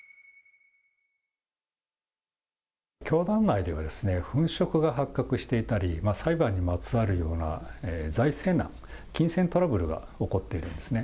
教団内では粉飾が発覚していたり、裁判にまつわるような財政難、金銭トラブルが起こっているんですね。